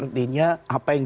artinya apa yang